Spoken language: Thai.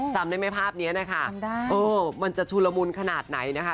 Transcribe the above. จำได้ไหมภาพนี้นะคะเออมันจะชุลมุนขนาดไหนนะคะ